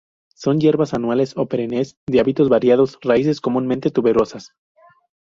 Son hierbas anuales o perennes de hábitos variados; raíces comúnmente tuberosas.